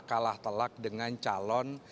kalah telak dengan calon